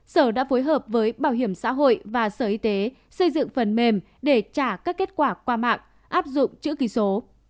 sở đã phối hợp với bảo hiểm xã hội và sở y tế xây dựng phần mềm để trả các kết quả qua mạng áp dụng chữ ký số